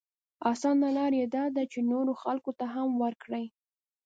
اسانه لاره يې دا ده چې نورو خلکو ته هم ورکړي.